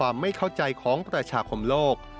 การพบกันในวันนี้ปิดท้ายด้วยการรับประทานอาหารค่ำร่วมกัน